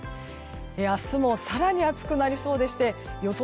明日も、更に暑くなりそうでして予想